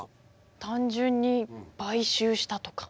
単純に買収したとか？